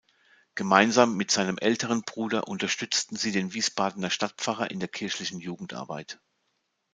Gemeinsam mit seinem älteren Bruder unterstützten sie den Wiesbadener Stadtpfarrer in der kirchlichen Jugendarbeit.